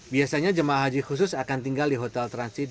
biasanya jemaah haji khusus akan tinggal di hotel transit